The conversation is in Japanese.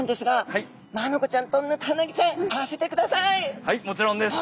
はいもちろんです。